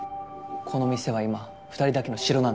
この店は今２人だけの城なんで。